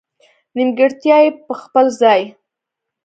نېمګړتیا یې په خپل ځای.